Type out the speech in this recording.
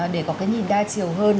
để có cái nhìn đa chiều hơn